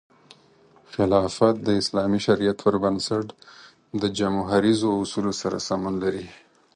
خلافت د اسلامي شریعت پر بنسټ د جموهریزو اصولو سره سمون لري.